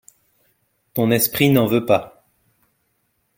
ton esprit n'en veut pas.